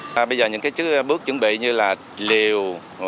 bây giờ những bước chuẩn bị như là liều